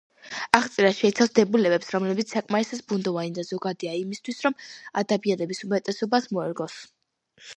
აღწერა შეიცავს დებულებებს, რომლებიც საკმარისად ბუნდოვანი და ზოგადია იმისთვის, რომ ადამიანების უმეტესობას მოერგოს.